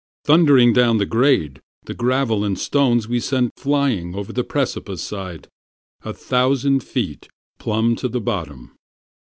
Thundering down the grade, the gravel and stones we sent flying Over the precipice side, a thousand feet plumb to the bottom.